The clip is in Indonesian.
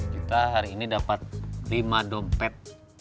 kita hari ini dapat lima dompet